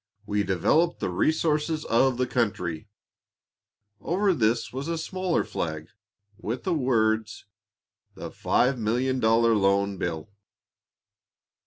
We develop the resources of the country." Over this was a smaller flag, with the words: "The $5,000,000 Loan Bill."